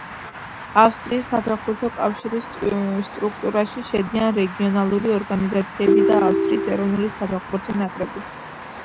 ავსტრიის საფეხბურთო კავშირის სტრუქტურაში შედიან რეგიონალური ორგანიზაციები და ავსტრიის ეროვნული საფეხბურთო ნაკრები.